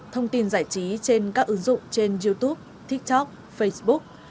thông tin giải trí trên các ứng dụng trên youtube tiktok facebook